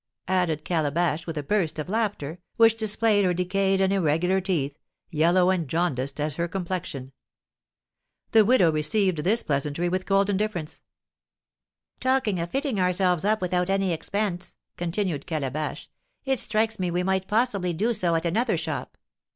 added Calabash, with a burst of laughter, which displayed her decayed and irregular teeth, yellow and jaundiced as her complexion. The widow received this pleasantry with cold indifference. "Talking of fitting ourselves up without any expense," continued Calabash, "it strikes me we might possibly do so at another shop.